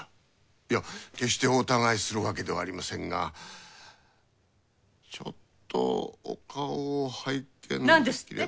いや決してお疑いするわけではありませんがちょっとお顔を拝見できれば。